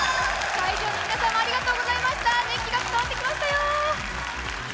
会場の皆さんもありがとうございました熱気が伝わってきましたよ。